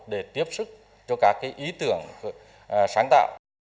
để tiếp sức cho các ý tưởng sáng tạo